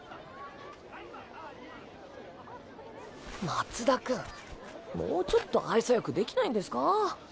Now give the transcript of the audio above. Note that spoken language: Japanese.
松田君もうちょっと愛想良くできないんですか？